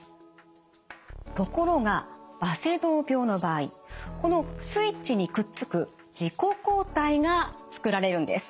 ところがバセドウ病の場合このスイッチにくっつく自己抗体が作られるんです。